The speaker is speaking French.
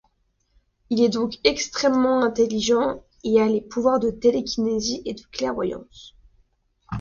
Il est donc extrêmement intelligent et a les pouvoirs de télékinésie et de clairvoyance.